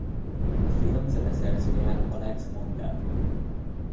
A film zeneszerzője Alex Mandel.